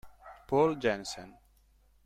Poul Jensen